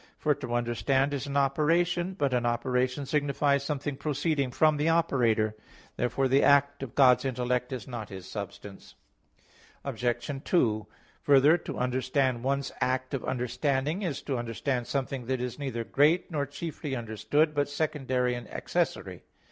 For to understand is an operation. But an operation signifies something proceeding from the operator. Therefore the act of God's intellect is not His substance. Obj. 2: Further, to understand one's act of understanding, is to understand something that is neither great nor chiefly understood, but secondary and accessory.